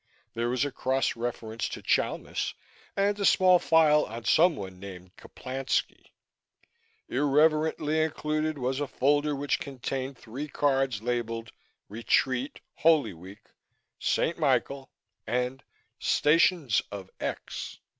There was a cross reference to Chalmis and a small file on someone named Kaplansky. Irrelevantly included was a folder which contained three cards labeled "Retreat Holy Week." "St. Michael" and "Stations of X!"